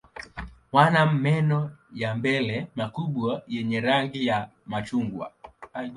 Wana meno ya mbele makubwa yenye rangi ya machungwa.